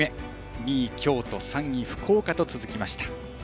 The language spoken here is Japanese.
２位、京都３位、福岡と続きました。